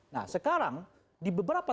nah sekarang di beberapa